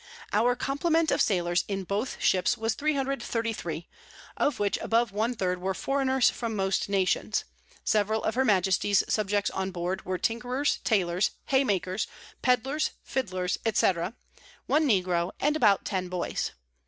Our Complement of Sailors in both Ships was 333, of which above one Third were Foreigners from most Nations; several of her Majesty's Subjects on board were Tinkers, Taylors, Hay makers, Pedlers, Fidlers, &c. one Negro, and about ten Boys.